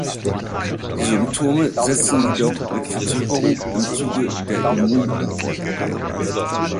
Die Symptome setzen jedoch mit Verzögerung im Zuge der Immunantwort ein.